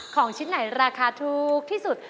ของชิ้นไหนราคาถูกที่สุด